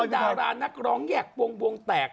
ดารานักร้องแยกวงแตก